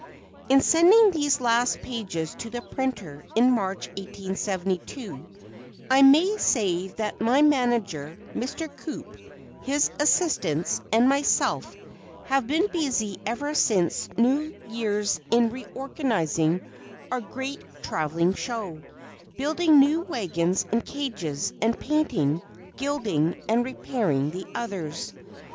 In sending these last pages to the printer in March, 1872, I may say that my manager, Mr. Coup, his assistants, and myself, have been busy ever since New Year's in reorganizing our great travelling show, building new wagons and cages, and painting, gilding and repairing the others.